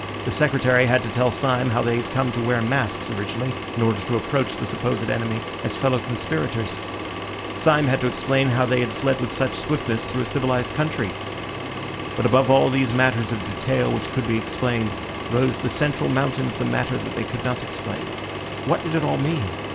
The Secretary had to tell Syme how they had come to wear masks originally in order to approach the supposed enemy as fellow conspirators. Syme had to explain how they had fled with such swiftness through a civilised country. But above all these matters of detail which could be explained, rose the central mountain of the matter that they could not explain. What did it all mean?